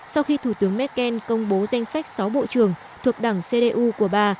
sau khi thủ tướng merkel công bố danh sách sáu bộ trưởng thuộc đảng cdu của bà